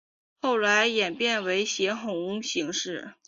后来演变为斜红型式。